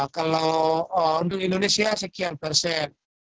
kalau untuk indonesia sekian persen